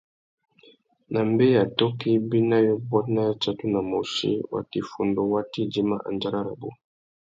Nà mbeya tôkô ibî na yôbôt na yatsatu na môchï, watu iffundu wa tà idjima andjara rabú.